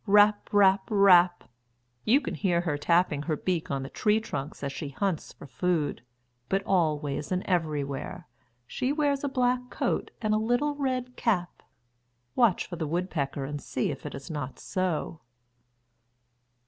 Rap! rap! rap! you can hear her tapping her beak on the tree trunks as she hunts for food. But always and everywhere, she wears a black coat and a little red cap. Watch for the woodpecker and see if it is not so.